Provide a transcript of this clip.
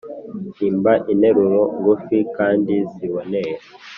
Himba interuro ngufi kandi ziboneye